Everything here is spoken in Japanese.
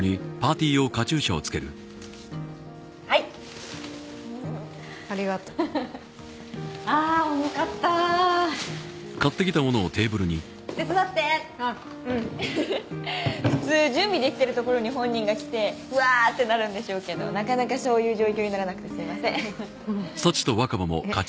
はいありがとうはははっああー重かったー手伝ってあっうん普通準備できてる所に本人が来てわーってなるんでしょうけどなかなかそういう状況にならなくてすいませんえっ？